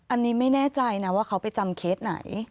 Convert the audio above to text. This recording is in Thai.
อันนี้ไม่แน่ใจนะว่าเขาไปจำเคสไหน